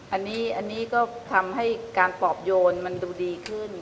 อันนี้ก็ทำให้การปอบโยนมันดูดีขึ้น